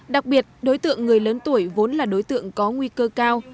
đặc biệt đối tượng người lớn tuổi vốn là đối tượng có nguy cơ cao